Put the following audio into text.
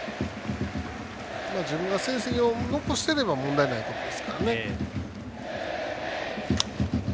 自分が成績を残していれば問題ないことですからね。